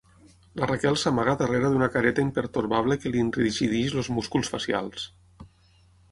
La Raquel s'amaga darrere d'una careta impertorbable que li enrigideix els músculs facials.